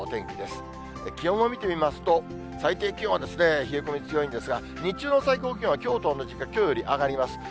気温を見てみますと、最低気温は冷え込み強いんですが、日中の最高気温はきょうと同じか、きょうより上がります。